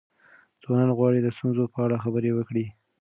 ځوانان غواړي د ستونزو په اړه خبرې وکړي.